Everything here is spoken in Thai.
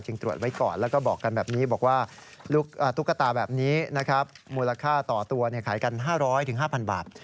ตรวจไว้ก่อนแล้วก็บอกกันแบบนี้บอกว่าตุ๊กตาแบบนี้นะครับมูลค่าต่อตัวขายกัน๕๐๐๕๐๐บาท